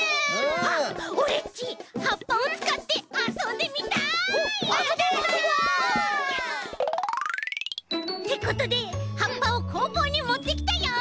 オレっちはっぱをつかってあそんでみたい！あそぼうあそぼう！ってことではっぱを工房にもってきたよ。